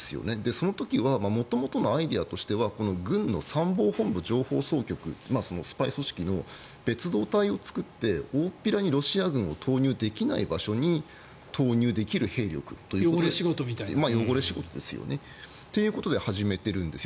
その時は元々のアイデアとしては軍の参謀本部情報総局スパイ組織の別動隊を作って大っぴらにロシア軍を投入できない場所に投入できる兵力ということで汚れ仕事ということで始めているんですよ。